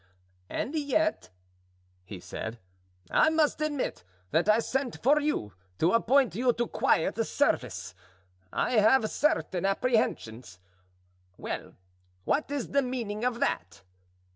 "And yet," he said, "I must admit that I sent for you to appoint you to quiet service; I have certain apprehensions—well, what is the meaning of that?"